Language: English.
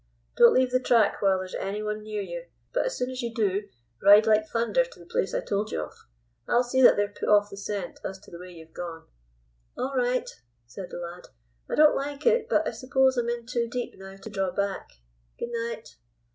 Don't leave the track while there's any one near you, but, as soon as you do, ride like thunder to the place I told you of. I'll see that they're put off the scent as to the way you've gone." "All right," said the lad. "I don't like it, but I suppose I'm in too deep now to draw back. Good night."